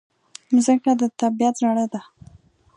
مځکه د طبیعت زړه ده.